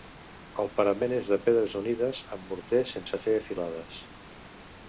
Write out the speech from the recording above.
El parament és de pedres unides amb morter sense fer filades.